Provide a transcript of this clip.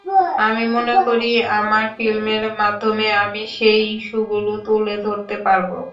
আমি মনে করি আমার ফিল্মের মাধ্যমে আমি সেই ইস্যুগুলো তুলে ধরতে পারব।